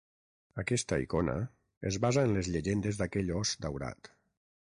Aquesta icona es basa en les llegendes d'aquell ós daurat.